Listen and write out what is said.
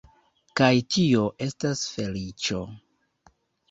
Kaj tio estas feliĉo.